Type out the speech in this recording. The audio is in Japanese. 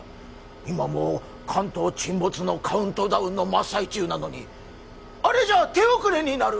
今も関東沈没のカウントダウンの真っ最中なのにあれじゃ手遅れになる！